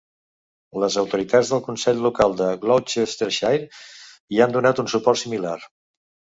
Les autoritats del consell local de Gloucestershire hi han donat un suport similar.